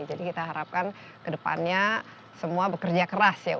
jadi kita harapkan kedepannya semua bekerja keras ya untuk merehabilitasi